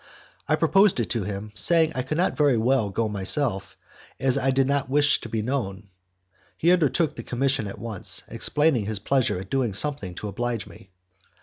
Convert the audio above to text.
I proposed it to him, saying that I could not very well go myself, as I did not wish to be known. He undertook the commission at once, expressing his pleasure at doing something to oblige me.